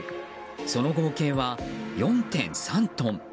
その合計は４．３トン。